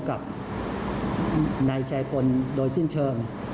กับนายชายพลโดยสิ้นเชิง